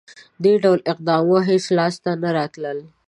• دې ډول اقداماتو هېڅ لاسته نه راتلل.